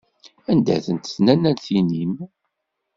Anda-tent tnannatin-im?